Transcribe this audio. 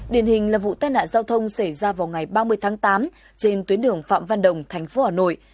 điển hình là vụ tai nạn giao thông xảy ra vào ngày ba mươi tháng tám trên tuyến đường phạm văn đồng thành phố hà nội